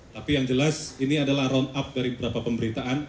tapi yang jelas ini adalah round up dari beberapa pemberitaan